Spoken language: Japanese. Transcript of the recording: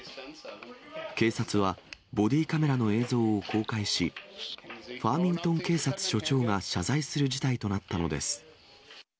警察はボディーカメラの映像を公開し、ファーミントン警察署長が謝罪する事態となったのです。